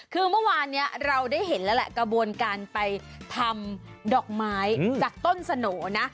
คือเมื่อวานนี้เราได้เห็นแล้วแหละกระบวนการไปทำดอกไม้จากต้นสโหน่นะ